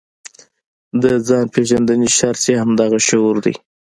د ځان پېژندنې شرط یې همدغه شعور دی.